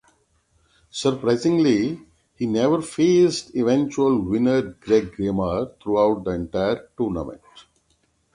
Surprisingly, he never faced eventual winner Greg Raymer throughout the entire tournament.